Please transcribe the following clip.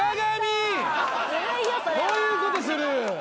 そういうことする。